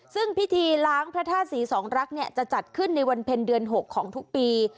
ซึ่งพิธีล้างพระธาตุศรีสองรักเนี่ยจะจัดขึ้นในวันเพ็ญเดือน๖ของทุกปี